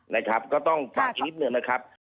นะครับก็ต้องฝากอีกนิดหนึ่งนะครับ